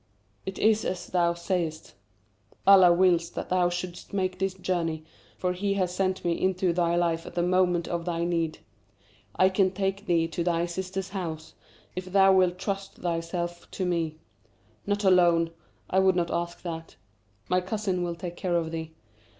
It is as thou sayest; Allah wills that thou shouldst make this journey, for He has sent me into thy life at the moment of thy need. I can take thee to thy sister's house, if thou wilt trust thyself to me. Not alone I would not ask that. My cousin will take care of thee.